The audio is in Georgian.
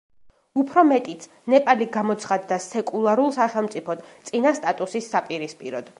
უფრო მეტიც, ნეპალი გამოცხადდა სეკულარულ სახელმწიფოდ, წინა სტატუსის საპირისპიროდ.